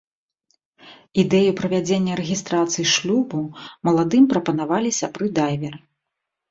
Ідэю правядзення рэгістрацыі шлюбу маладым прапанавалі сябры-дайверы.